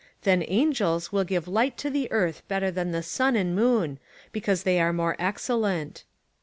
Then angels will give light to the earth better than the sun and moon, beause they are more excellent